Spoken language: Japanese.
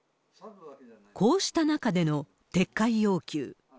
こうした中での撤回要求。